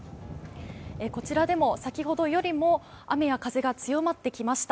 こちらでも先ほどよりも雨や風が強まってきました。